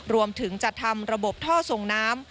รวมถึงจัดทำระบบท่อส่งน้ำ